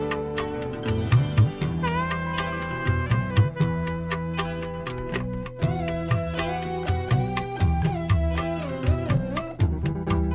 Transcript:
gimana pernikahan kamu